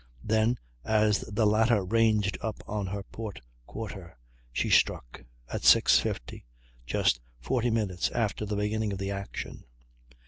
Then, as the latter ranged up on her port quarter, she struck, at 6.50, just forty minutes after the beginning of the action.